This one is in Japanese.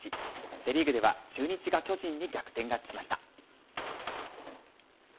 セ・リーグでは中日が巨人に逆転勝ちしました。